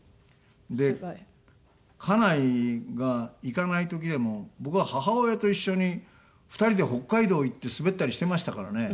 で家内が行かない時でも僕は母親と一緒に２人で北海道行って滑ったりしてましたからね。